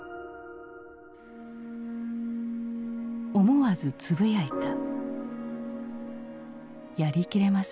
思わずつぶやいた。